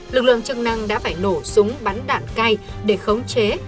lực lượng chức năng đã phải nổ súng bắn đạn cay để khống chế